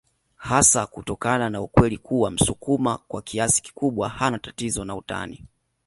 Hasa kutokana na ukweli kuwa msukuma kwa kiasi kikubwa hana tatizo na utani